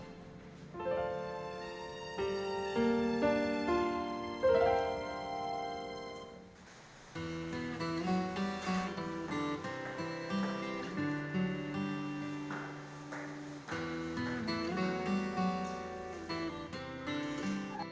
pun sudah terbiasa beraktifitas menggunakan pakaian asmat